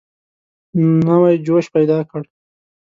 نوی جوش پیدا کړ.